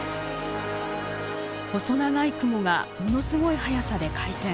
細長い雲がものすごい速さで回転。